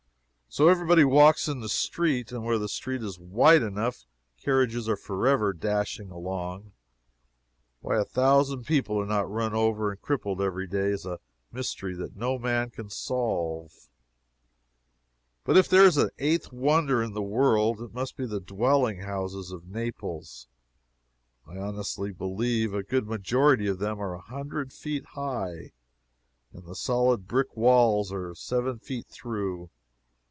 So everybody walks in the street and where the street is wide enough, carriages are forever dashing along. Why a thousand people are not run over and crippled every day is a mystery that no man can solve. But if there is an eighth wonder in the world, it must be the dwelling houses of Naples. I honestly believe a good majority of them are a hundred feet high! And the solid brick walls are seven feet through.